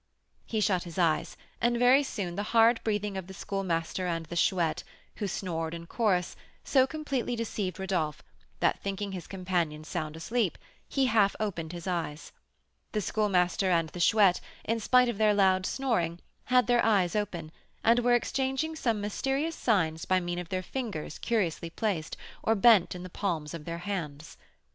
He shut his eyes, and very soon the hard breathing of the Schoolmaster and the Chouette, who snored in chorus, so completely deceived Rodolph, that, thinking his companions sound asleep, he half opened his eyes. The Schoolmaster and the Chouette, in spite of their loud snoring, had their eyes open, and were exchanging some mysterious signs by means of their fingers curiously placed or bent in the palms of their hands.